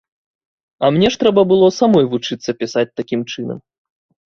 А мне ж трэба было самой вучыцца пісаць такім чынам!